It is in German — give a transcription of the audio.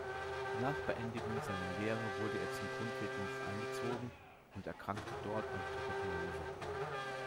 Nach Beendigung seiner Lehre wurde er zum Grundwehrdienst eingezogen und erkrankte dort an Tuberkulose.